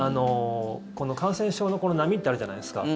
感染症の波ってあるじゃないですか。